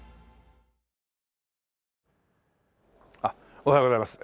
おはようございます。